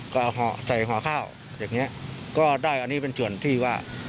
ก็เอาห่อใส่ห่อข้าวอย่างนี้ก็ได้อันนี้เป็นส่วนที่ว่า